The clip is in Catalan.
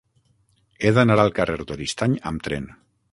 He d'anar al carrer d'Oristany amb tren.